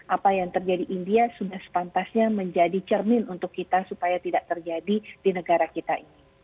apa yang terjadi india sudah sepantasnya menjadi cermin untuk kita supaya tidak terjadi di negara kita ini